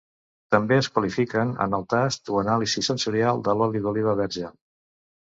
També es qualifiquen en el tast o anàlisi sensorial de l'oli d'oliva verge.